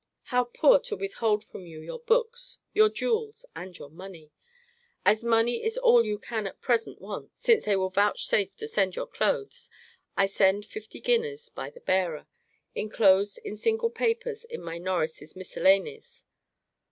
How poor to withhold from you your books, your jewels, and your money! As money is all you can at present want, since they will vouchsafe to send your clothes, I send fifty guineas by the bearer, enclosed in single papers in my Norris's Miscellanies.